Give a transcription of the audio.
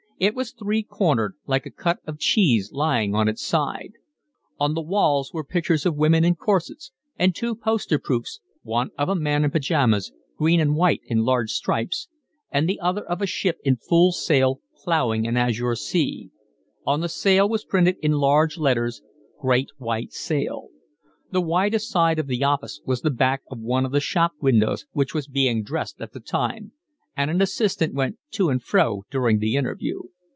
It was three cornered, like a cut of cheese lying on its side: on the walls were pictures of women in corsets, and two poster proofs, one of a man in pyjamas, green and white in large stripes, and the other of a ship in full sail ploughing an azure sea: on the sail was printed in large letters 'great white sale.' The widest side of the office was the back of one of the shop windows, which was being dressed at the time, and an assistant went to and fro during the interview.